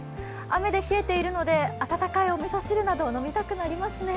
雨で冷えているので温かいおみそ汁など飲みたくなりますね。